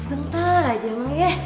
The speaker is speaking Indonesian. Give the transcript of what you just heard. sebentar aja mang ya